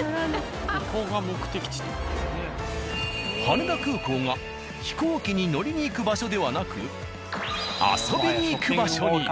羽田空港が飛行機に乗りに行く場所ではなく遊びに行く場所に。